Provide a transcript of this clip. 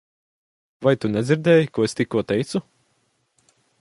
Vai tu nedzirdēji, ko es tikko teicu?